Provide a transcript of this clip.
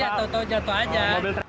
ya tau tau jatuh aja